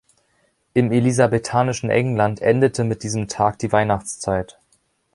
Im elisabethanischen England endete mit diesem Tag die Weihnachtszeit.